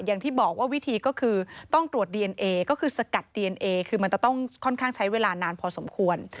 อย่างที่บอกว่าวิธีก็คือต้องตรวจดีเอนเอก็คือสกัดดีเอนเอคือมันจะต้องค่อนข้างใช้เวลานานพอสมควร